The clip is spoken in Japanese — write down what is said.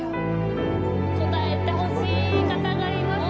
答えてほしい方がいますよ。